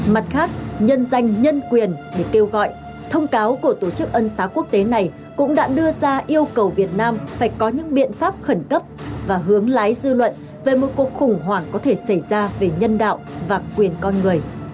mặt khác nhân danh nhân quyền để kêu gọi thông cáo của tổ chức ân xá quốc tế này cũng đã đưa ra yêu cầu việt nam phải có những biện pháp khẩn cấp và hướng lái dư luận về một cuộc khủng hoảng có thể xảy ra về nhân đạo và quyền con người